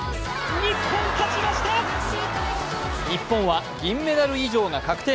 日本は銀メダル以上が確定。